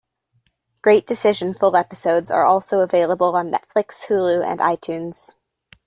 "Great Decision" full episodes are also available on Netflix, Hulu and iTunes.